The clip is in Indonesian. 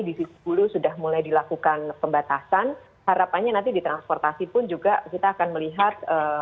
disitu sudah mulai dilakukan pembatasan harapannya nanti di transportasi pun juga kita akan melihat